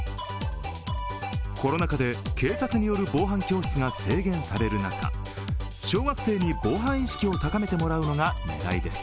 コロナ禍で警察による防犯教室が制限される中、小学生に防犯意識を高めてもらうのが狙いです。